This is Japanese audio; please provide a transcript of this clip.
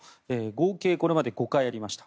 合計これまで５回ありました。